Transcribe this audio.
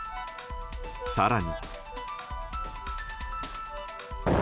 更に。